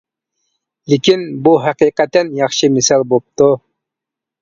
لېكىن بۇ ھەقىقەتەن ياخشى مىسال بوپتۇ.